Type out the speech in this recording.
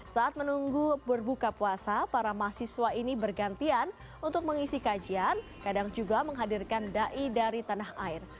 saat menunggu berbuka puasa para mahasiswa ini bergantian untuk mengisi kajian kadang juga menghadirkan dai dari tanah air